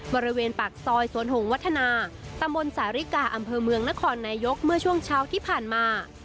บริเวณปากซอยสวนหงวัฒนาตำบลสาริกาอำเภอเมืองนครนายกเมื่อช่วงเช้าที่ผ่านมา